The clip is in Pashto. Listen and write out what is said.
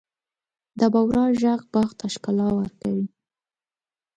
د بورا ږغ باغ ته ښکلا ورکوي.